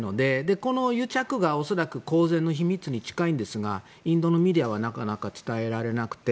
この癒着が恐らく公然の秘密に近いんですがインドのメディアはなかなか伝えられなくて。